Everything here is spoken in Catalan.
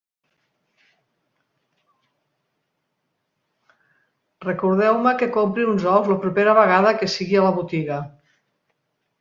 Recordeu-me que compri uns ous la propera vegada que sigui a la botiga.